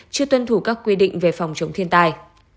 chưa tuân thủ các quy định về phòng chống thiên tai